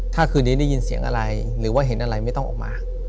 ถ้าคืนนี้ได้ยินเสียงอะไรหรือว่าเห็นอะไรไม่ต้องออกมา